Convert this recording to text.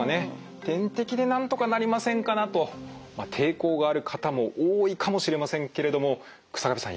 点滴でなんとかなりませんかなと抵抗がある方も多いかもしれませんけれども日下部さん